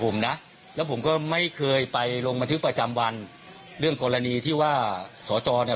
ผมนะแล้วผมก็ไม่เคยไปลงบันทึกประจำวันเรื่องกรณีที่ว่าสอจอเนี่ย